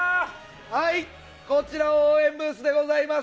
はい、こちら、応援ブースでございます。